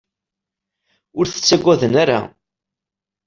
Ur tt-ttagaden ara.